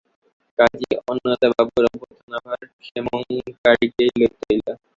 কাজেই অন্নদাবাবুর অভ্যর্থনাভার ক্ষেমংকরীকেই লইতে হইল।